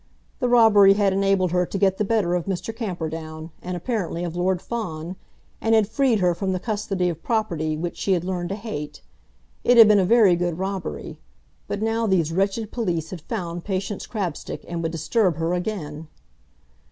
The robbery had enabled her to get the better of Mr. Camperdown, and apparently of Lord Fawn; and had freed her from the custody of property which she had learned to hate. It had been a very good robbery. But now these wretched police had found Patience Crabstick, and would disturb her again!